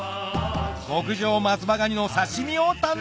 極上松葉ガニの刺身を堪能！